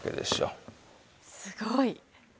すごい！